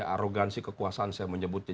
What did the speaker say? arogansi kekuasaan saya menyebutnya